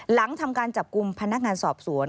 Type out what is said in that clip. หลังทำการจับกลุ่มพนักงานสอบสวน